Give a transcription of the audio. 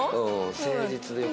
誠実で。